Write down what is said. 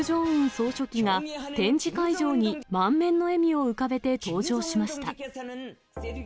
総書記が展示会場に満面の笑みを浮かべて登場しました。